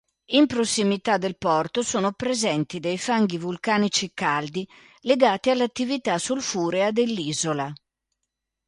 In prossimità del porto sono presenti dei fanghi vulcanici caldi legati all'attività sulfurea dell'isola.